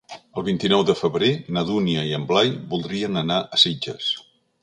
El vint-i-nou de febrer na Dúnia i en Blai voldrien anar a Sitges.